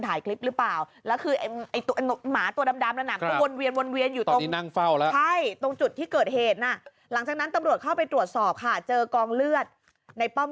แต่เวลาคุณตาลอบพอร์งหน้าก็ว่าจะฆ่าลูกลุงลอบพอร์